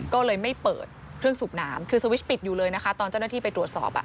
ก็เลยไม่เปิดเครื่องสูบน้ำคือสวิชปิดอยู่เลยนะคะตอนเจ้าหน้าที่ไปตรวจสอบ